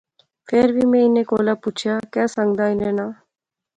فیر وی میں انیں کولا پچھیا۔۔۔ کہہ سنگ دا انے ناں؟